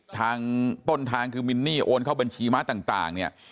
ต้นทางคือมินนี่โอนเข้าบัญชีมาต่าง